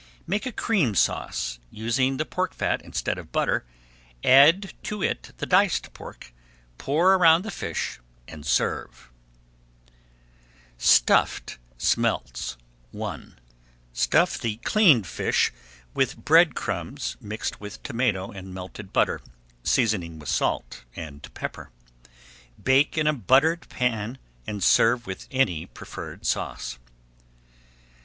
Make a Cream Sauce, using the pork fat instead of butter, add to it the diced pork, pour around the fish and serve. [Page 373] STUFFED SMELTS I Stuff the cleaned fish with bread crumbs mixed with tomato and melted butter, seasoning with salt and pepper. Bake in a buttered pan and serve with any preferred sauce.